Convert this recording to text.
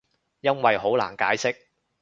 因為好難解釋